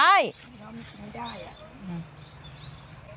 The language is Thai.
มันกินไม่ได้